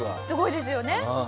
すごいですよね。